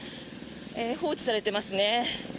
放置されていますね。